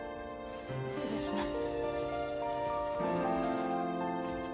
失礼します。